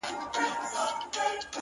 دومره حيا مه كوه مړ به مي كړې-